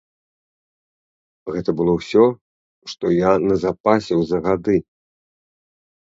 Гэта было ўсё, што я назапасіў за гады.